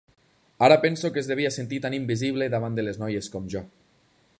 Ara penso que es devia sentir tan invisible davant de les noies com jo.